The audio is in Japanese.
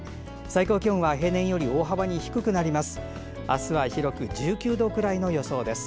最高気温は平年より大幅に低くなります。